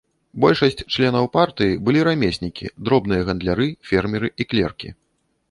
Большасць членаў партыі былі рамеснікі, дробныя гандляры, фермеры і клеркі.